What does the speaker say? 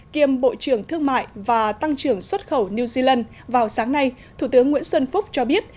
kiêm bộ trưởng thương mại và tăng trưởng xuất khẩu new zealand vào sáng nay thủ tướng nguyễn xuân phúc cho biết